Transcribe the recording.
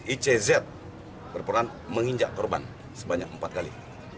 icz berperan menginjak korban sebanyak empat kali